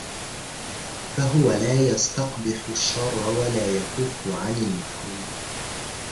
فَهُوَ لَا يَسْتَقْبِحُ الشَّرَّ وَلَا يَكُفَّ عَنْ الْمَكْرُوهِ